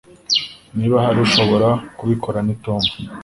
Niba hari ushobora kubikora ni Tom